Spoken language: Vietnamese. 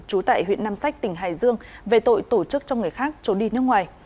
trú tại huyện nam sách tỉnh hải dương về tội tổ chức cho người khác trốn đi nước ngoài